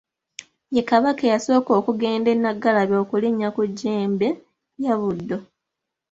Ye Kabaka eyasooka okugenda e Naggalabi okulinnya ku jjembe lya Buddo.